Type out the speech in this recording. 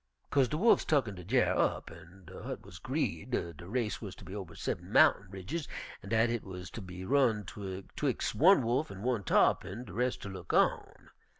"Co'se de wolfs tucken de dyar' up, an' hit wuz 'greed de race wuz ter be over seben mountain ridges, an' dat hit wuz ter be run 'twix' one wolf an' one tarr'pin, de res' ter look on.